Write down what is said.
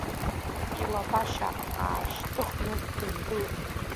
Илабашьа аашьҭхны дындәылҵит.